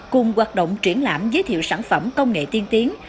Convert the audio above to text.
cùng hoạt động triển lãm giới thiệu sản phẩm công nghệ tiên tiến